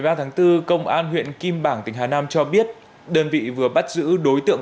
và ngày một mươi bốn tháng bốn công an huyện kim bảng tỉnh hà nam cho biết đơn vị vừa bắt giữ đối tượng